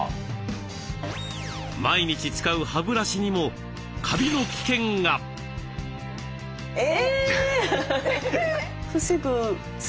毎日使う歯ブラシにもカビの危険が。え。